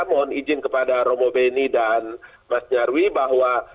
mohon izin kepada romo beni dan mas nyarwi bahwa